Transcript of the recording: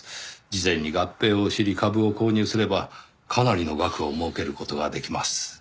事前に合併を知り株を購入すればかなりの額を儲ける事ができます。